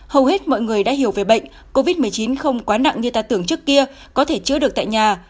hầu hết mọi người đã hiểu về bệnh covid một mươi chín không quá nặng như ta tưởng trước kia có thể chữa được tại nhà